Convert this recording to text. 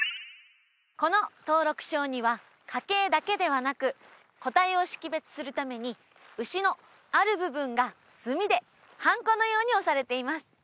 この登録書には家系だけではなく個体を識別するために牛のある部分が墨ではんこのように押されています